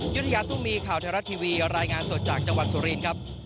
ยุธยาตุ้มีข่าวไทยรัฐทีวีรายงานสดจากจังหวัดสุรินครับ